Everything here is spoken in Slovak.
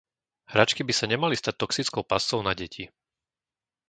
Hračky by sa nemali stať toxickou pascou na deti.